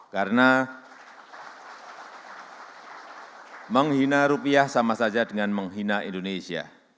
karena menghina rupiah sama saja dengan menghina indonesia